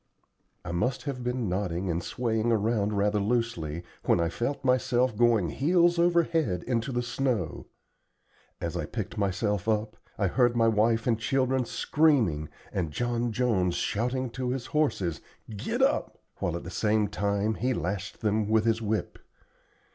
I must have been nodding and swaying around rather loosely, when I felt myself going heels over head into the snow. As I picked myself up I heard my wife and children screaming, and John Jones shouting to his horses, "Git up," while at the same time he lashed them with his whip.